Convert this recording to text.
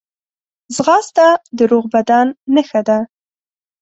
ځغاسته د روغ بدن نښه ده